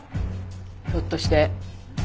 ひょっとして。